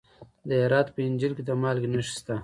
د هرات په انجیل کې د مالګې نښې شته.